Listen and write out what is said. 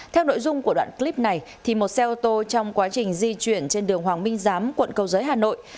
theo nội dung của đoạn clip này một xe ô tô trong quá trình di chuyển trên đường hoàng minh giám quận cầu giấy hà nội